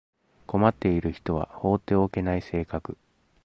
困っている人は放っておけない性格